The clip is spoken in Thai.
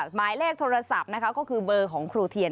หมายเลขโทรศัพท์นะคะก็คือเบอร์ของครูเทียน